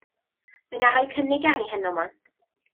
Mi 'nai roi cynnig arni heno 'ma.